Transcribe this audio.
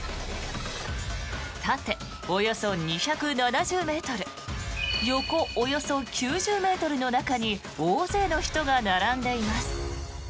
縦およそ２７０ｍ横およそ９０ｍの中に大勢の人が並んでいます。